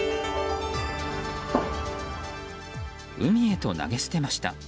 海へと投げ捨てました。